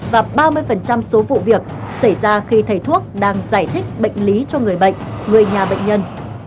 và ba mươi số vụ việc xảy ra khi thầy thuốc đang giải thích bệnh lý cho người bệnh người nhà bệnh nhân